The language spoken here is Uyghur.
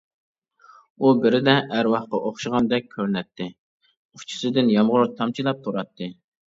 ئۇ بىردە ئەرۋاھقا ئوخشىغاندەك كۆرۈنەتتى، ئۇچىسىدىن يامغۇر تامچىلاپ تۇراتتى.